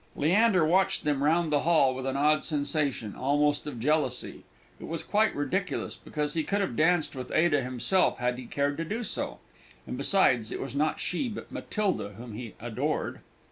Leander watched them round the hall with an odd sensation, almost of jealousy it was quite ridiculous, because he could have danced with Ada himself had he cared to do so; and besides, it was not she, but Matilda, whom he adored.